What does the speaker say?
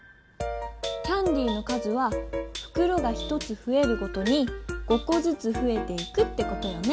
キャンディーの数はふくろが１つふえるごとに５コずつふえていくってことよね。